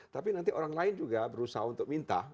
tapi nanti orang lain juga berusaha untuk minta